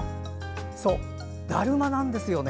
そう、だるまなんですよね。